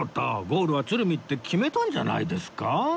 ゴールは鶴見って決めたんじゃないですか？